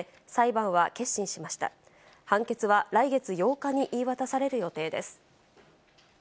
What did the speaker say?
判決は来月８日に言い渡される予定です。